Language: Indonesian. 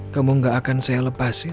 kamu gak akan saya lepasin